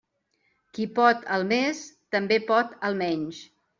Qui pot el més, també pot el menys.